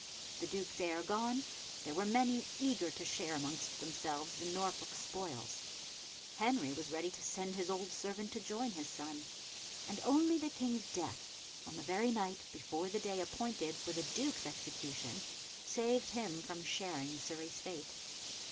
The Duke's heir gone, there were many eager to share amongst themselves the Norfolk spoils; Henry was ready to send his old servant to join his son; and only the King's death, on the very night before the day appointed for the Duke's execution, saved him from sharing Surrey's fate.